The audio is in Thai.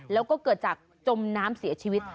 แล้วก็เกิดจากจมน้ำเสียชีวิต